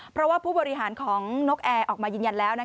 เพราะว่าผู้บริหารของนกแอร์ออกมายืนยันแล้ว